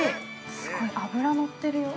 ◆すごい脂乗ってるよ。